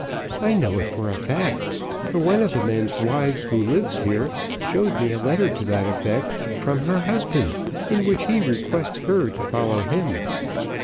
I know it for a fact, for one of the men's wives who lives here, showed me a letter to that effect, from her husband, in which he requests her to follow him.